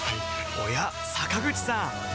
おや坂口さん